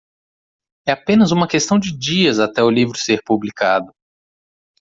É apenas uma questão de dias até o livro ser publicado.